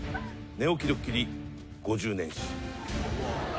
寝起きドッキリ５０年史。